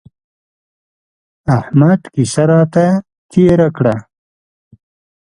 احمد کيسه راته تېره کړه.